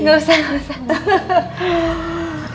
gak usah gak usah